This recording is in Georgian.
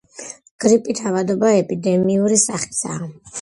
გრიპით ავადობა ეპიდემიური სახისაა.